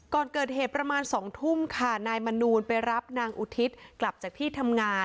ก่อนเกิดเหตุประมาณ๒ทุ่มค่ะนายมนูลไปรับนางอุทิศกลับจากที่ทำงาน